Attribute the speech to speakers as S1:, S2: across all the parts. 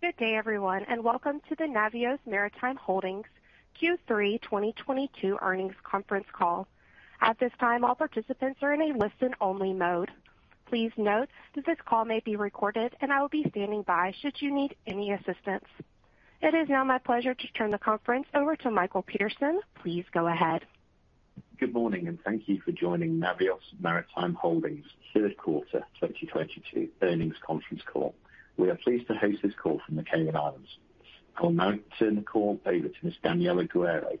S1: Good day, everyone, and welcome to the Navios Maritime Holdings Q3 2022 earnings conference call. At this time, all participants are in a listen-only mode. Please note that this call may be recorded, and I will be standing by should you need any assistance. It is now my pleasure to turn the conference over to Michael Pearson. Please go ahead.
S2: Good morning, thank you for joining Navios Maritime Holdings Third Quarter 2022 earnings conference call. We are pleased to host this call from the Cayman Islands. I'll now turn the call over to Ms. Daniella Guerrero,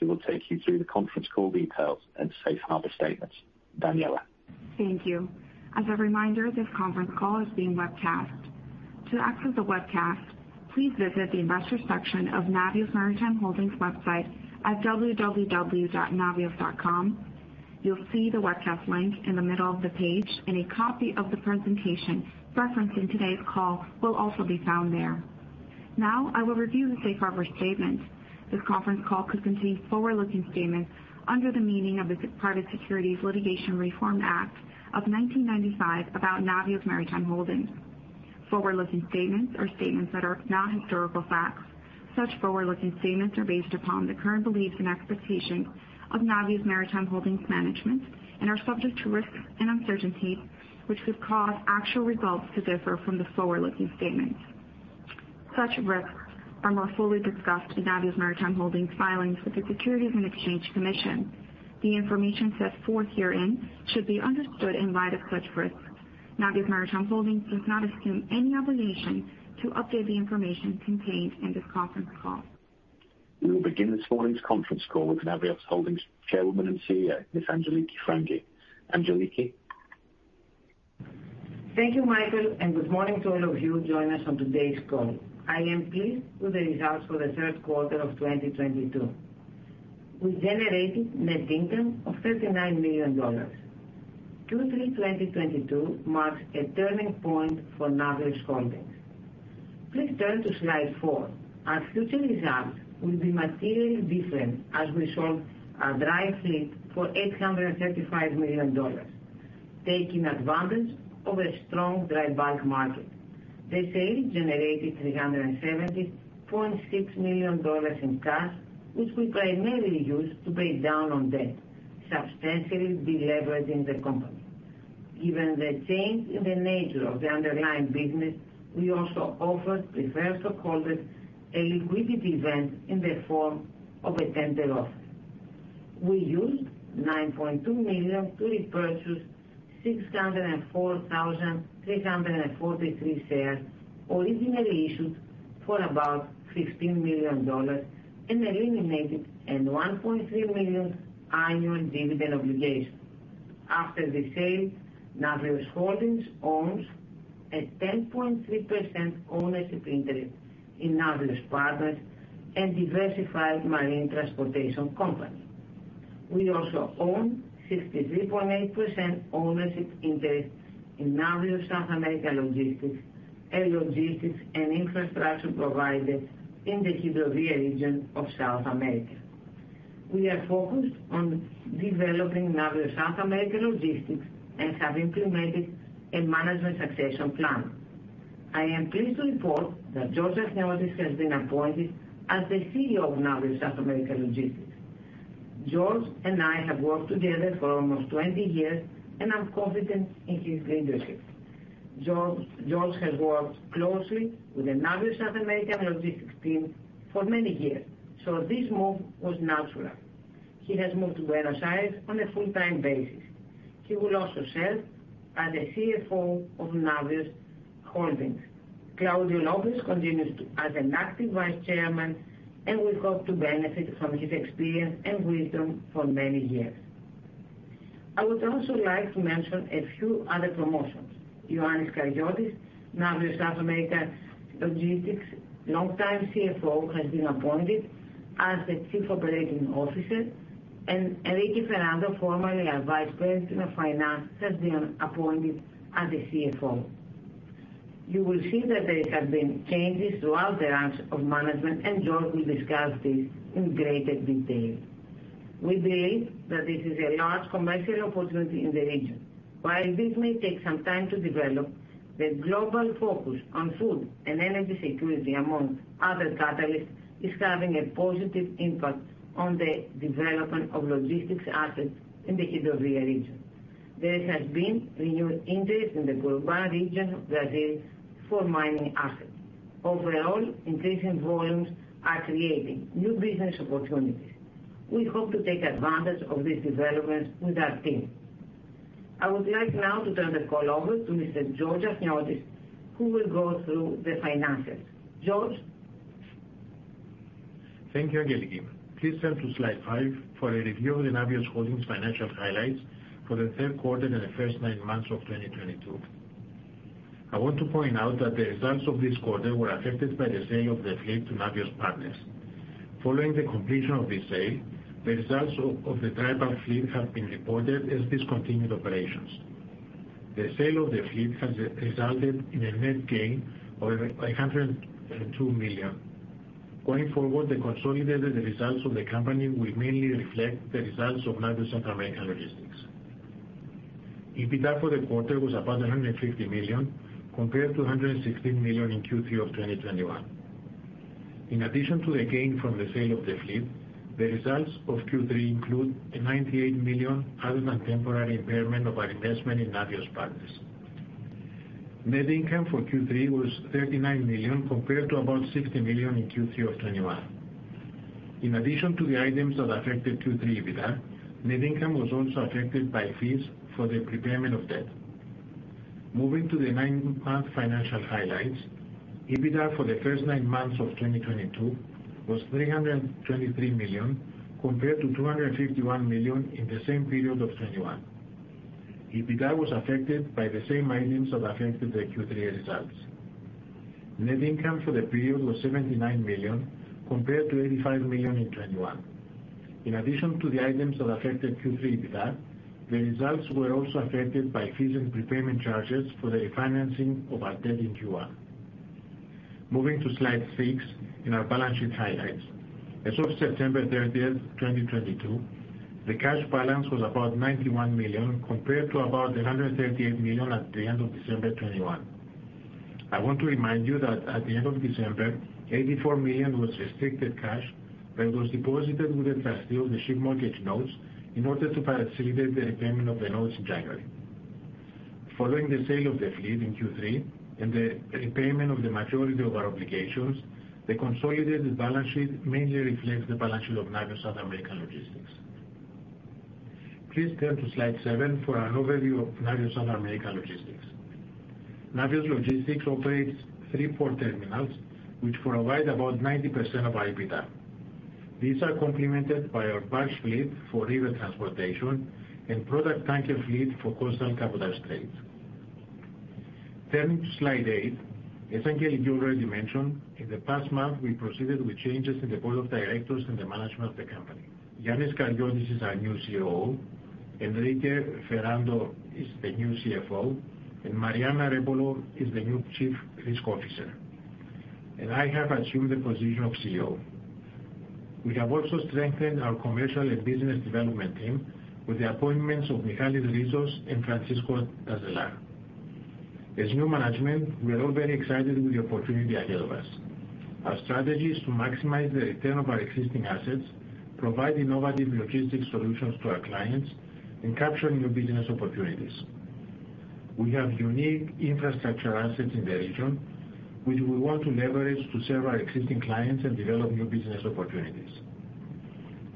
S2: who will take you through the conference call details and safe harbor statements. Daniella.
S3: Thank you. As a reminder, this conference call is being webcast. To access the webcast, please visit the investor section of Navios Maritime Holdings website at www.navios.com. You'll see the webcast link in the middle of the page. A copy of the presentation referenced in today's call will also be found there. Now I will review the safe harbor statement. This conference call could contain forward-looking statements under the meaning of the Private Securities Litigation Reform Act of 1995 about Navios Maritime Holdings. Forward-looking statements are statements that are not historical facts. Such forward-looking statements are based upon the current beliefs and expectations of Navios Maritime Holdings management and are subject to risks and uncertainties which could cause actual results to differ from the forward-looking statements. Such risks are more fully discussed in Navios Maritime Holdings filings with the Securities and Exchange Commission. The information set forth herein should be understood in light of such risks. Navios Maritime Holdings does not assume any obligation to update the information contained in this conference call.
S1: We will begin this morning's conference call with Navios Holdings Chairwoman and CEO, Ms. Angeliki Frangou. Angeliki.
S4: Thank you, Michael. Good morning to all of you joining us on today's call. I am pleased with the results for the third quarter of 2022. We generated net income of $39 million. Q3 2022 marks a turning point for Navios Holdings. Please turn to slide four. Our future results will be materially different as we sold our dry fleet for $835 million, taking advantage of a strong dry bulk market. The sale generated $370.6 million in cash, which we primarily used to pay down on debt, substantially deleveraging the company. Given the change in the nature of the underlying business, we also offered preferred stockholders a liquidity event in the form of a tender offer. We used $9.2 million to repurchase 604,343 shares originally issued for about $16 million and eliminated a $1.3 million annual dividend obligation. After the sale, Navios Holdings owns a 10.3% ownership interest in Navios Partners, a diversified marine transportation company. We also own 63.8% ownership interest in Navios South American Logistics, a logistics and infrastructure provider in the Hidrovia region of South America. We are focused on developing Navios South American Logistics and have implemented a management succession plan. I am pleased to report that Georgios Achniotis has been appointed as the CEO of Navios South American Logistics. Georgios and I have worked together for almost 20 years, I'm confident in his leadership. George has worked closely with the Navios South American Logistics team for many years, so this move was natural. He has moved to Buenos Aires on a full-time basis. He will also serve as the CFO of Navios Holdings. Claudio Lopez continues to as an active vice chairman, and we hope to benefit from his experience and wisdom for many years. I would also like to mention a few other promotions. Ioannis Karyotis, Navios South American Logistics longtime CFO, has been appointed as the Chief Operating Officer, and Enrique Ferrando, formerly our Vice President of Finance, has been appointed as the CFO. You will see that there have been changes throughout the ranks of management, and George will discuss this in greater detail. We believe that this is a large commercial opportunity in the region. While this may take some time to develop, the global focus on food and energy security, among other catalysts, is having a positive impact on the development of logistics assets in the Hidrovia region. There has been renewed interest in the Corumbá region of Brazil for mining assets. Overall, increasing volumes are creating new business opportunities. We hope to take advantage of these developments with our team. I would like now to turn the call over to Mr. George Achniotis who will go through the finances. George?
S5: Thank you, Angeliki. Please turn to slide five for a review of the Navios Holdings financial highlights for the third quarter and the first nine months of 2022. I want to point out that the results of this quarter were affected by the sale of the fleet to Navios Partners. Following the completion of this sale, the results of the dry bulk fleet have been reported as discontinued operations. The sale of the fleet has resulted in a net gain of $102 million. Going forward, the consolidated results of the company will mainly reflect the results of Navios South American Logistics. EBITDA for the quarter was about $150 million, compared to $116 million in Q3 of 2021. In addition to the gain from the sale of the fleet, the results of Q3 include a $98 million other-than-temporary impairment of our investment in Navios Partners. Net income for Q3 was $39 million compared to about $60 million in Q3 of 2021. In addition to the items that affected Q3 EBITDA, net income was also affected by fees for the prepayment of debt. Moving to the nine-month financial highlights. EBITDA for the first nine months of 2022 was $323 million compared to $251 million in the same period of 2021. EBITDA was affected by the same items that affected the Q3 results. Net income for the period was $79 million compared to $85 million in 2021. In addition to the items that affected Q3 EBITDA, the results were also affected by fees and prepayment charges for the refinancing of our debt in Q1. Moving to slide six in our balance sheet highlights. As of September 30, 2022, the cash balance was about $91 million compared to about $138 million at the end of December 2021. I want to remind you that at the end of December, $84 million was restricted cash that was deposited with the trustee of the ship mortgage notes in order to facilitate the repayment of the notes in January. Following the sale of the fleet in Q3 and the repayment of the majority of our obligations, the consolidated balance sheet mainly reflects the balance sheet of Navios South American Logistics. Please turn to slide seven for an overview of Navios South American Logistics. Navios Logistics operates three port terminals which provide about 90% of our EBITDA. These are complemented by our barge fleet for river transportation and product tanker fleet for coastal cabotage trades. Turning to slide eight, as Angeliki already mentioned, in the past month, we proceeded with changes in the board of directors and the management of the company. Ioannis Karyotis is our new COO, Enrique Ferrando is the new CFO, and Mariana Rebolo is the new Chief Risk Officer. I have assumed the position of CEO. We have also strengthened our commercial and business development team with the appointments of Michail Rizos and Francisco Tazelaar. As new management, we are all very excited with the opportunity ahead of us. Our strategy is to maximize the return of our existing assets, provide innovative logistics solutions to our clients, and capture new business opportunities. We have unique infrastructure assets in the region which we want to leverage to serve our existing clients and develop new business opportunities.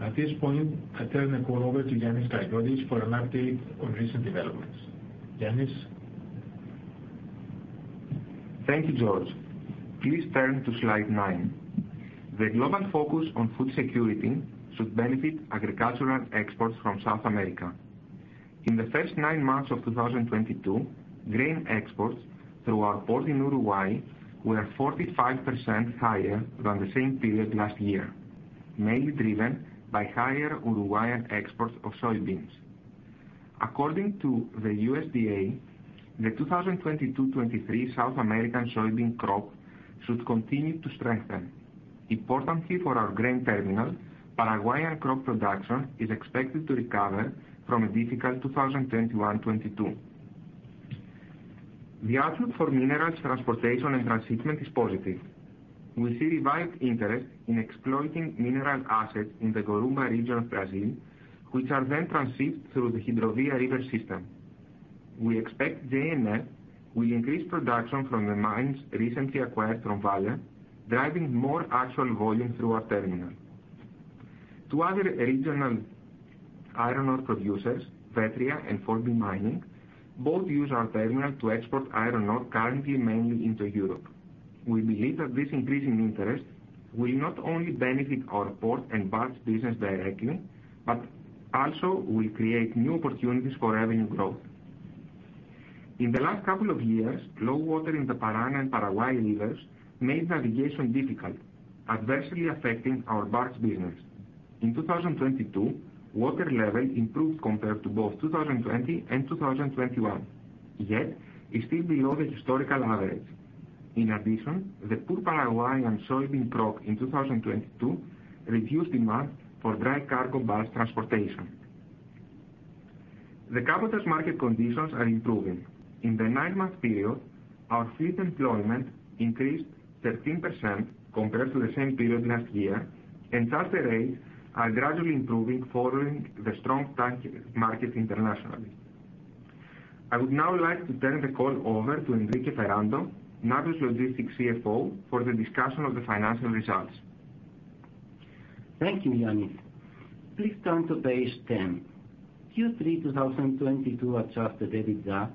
S5: At this point, I turn the call over to Ioannis Karyotis for an update on recent developments. Yannis?
S6: Thank you, George. Please turn to slide nine. The global focus on food security should benefit agricultural exports from South America. In the first nine months of 2022, grain exports through our port in Uruguay were 45% higher than the same period last year, mainly driven by higher Uruguayan exports of soybeans. According to the USDA, the 2022/2023 South American soybean crop should continue to strengthen. Importantly, for our grain terminal, Paraguayan crop production is expected to recover from a difficult 2021/2022. The outlook for minerals transportation and transshipment is positive. We see revived interest in exploiting mineral assets in the Corumbá region of Brazil, which are then transshipped through the Hidrovia River system. We expect J&F will increase production from the mines recently acquired from Vale, driving more actual volume through our terminal. Two other regional iron ore producers, Vetria and Fourvi Mining, both use our terminal to export iron ore, currently mainly into Europe. We believe that this increasing interest will not only benefit our port and barge business directly but also will create new opportunities for revenue growth. In the last couple of years, low water in the Parana and Paraguay rivers made navigation difficult, adversely affecting our barge business. In 2022, water level improved compared to both 2020 and 2021, yet is still below the historical average. In addition, the poor Paraguayan soybean crop in 2022 reduced demand for dry cargo barge transportation. The cabotage market conditions are improving. In the nine-month period, our fleet employment increased 13% compared to the same period last year. Charter rates are gradually improving following the strong tank market internationally. I would now like to turn the call over to Enrique Ferrando, Navios Logistics CFO, for the discussion of the financial results.
S7: Thank you, Yannis. Please turn to page 10. Q3 2022 adjusted EBITDA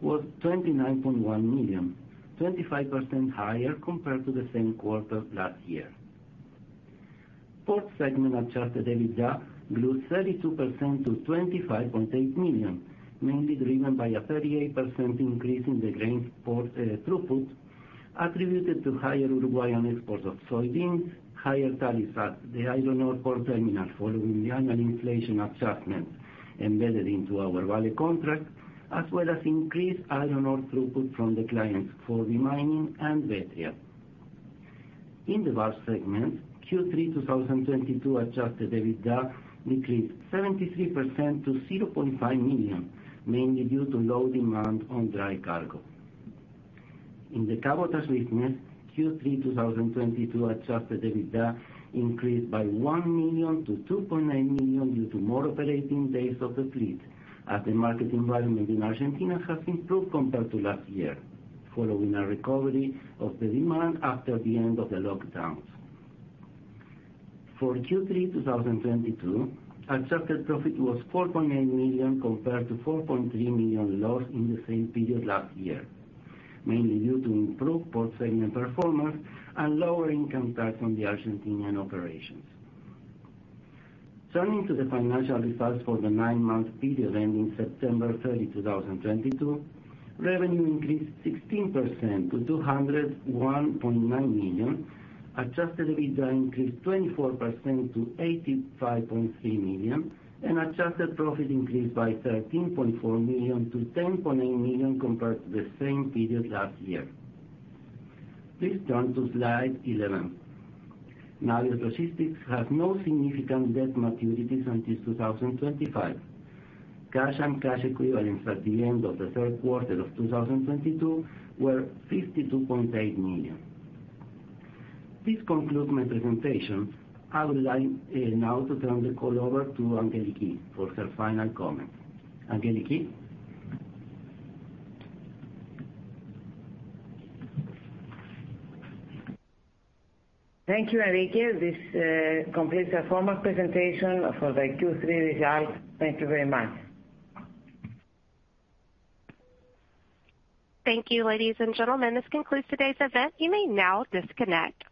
S7: was $29.1 million, 25% higher compared to the same quarter last year. Port segment adjusted EBITDA grew 32% to $25.8 million, mainly driven by a 38% increase in the grain port throughput attributed to higher Uruguayan exports of soybeans, higher tariffs at the iron ore port terminal following the annual inflation adjustments embedded into our Vale contract, as well as increased iron ore throughput from the clients Fourvi Mining and Vetria. In the barge segment, Q3 2022 adjusted EBITDA decreased 73% to $0.5 million, mainly due to low demand on dry cargo. In the cabotage business, Q3 2022 adjusted EBITDA increased by $1 million to $2.9 million due to more operating days of the fleet, as the market environment in Argentina has improved compared to last year, following a recovery of the demand after the end of the lockdowns. For Q3 2022, adjusted profit was $4.8 million compared to $4.3 million loss in the same period last year, mainly due to improved port segment performance and lower income tax on the Argentinian operations. Turning to the financial results for the nine-month period ending September 30, 2022. Revenue increased 16% to $201.9 million. Adjusted EBITDA increased 24% to $85.3 million, and adjusted profit increased by $13.4 million to $10.8 million compared to the same period last year. Please turn to slide 11. Navios Logistics has no significant debt maturities until 2025. Cash and cash equivalents at the end of the third quarter of 2022 were $52.8 million. This concludes my presentation. I would like now to turn the call over to Angeliki for her final comments. Angeliki?
S4: Thank you, Enrique. This completes our formal presentation for the Q3 results. Thank you very much.
S1: Thank you, ladies and gentlemen. This concludes today's event. You may now disconnect.